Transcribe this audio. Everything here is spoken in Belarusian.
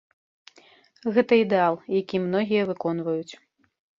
Гэта ідэал, які многія выконваюць.